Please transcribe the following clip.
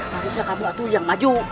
harusnya kamu atu yang maju